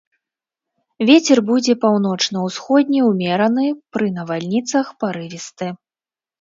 Вецер будзе паўночна-ўсходні ўмераны, пры навальніцах парывісты.